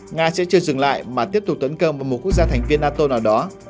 nga sẽ chưa dừng lại mà tiếp tục tấn công vào một quốc gia thành viên nato nào đó